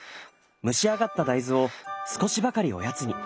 蒸し上がった大豆を少しばかりおやつに。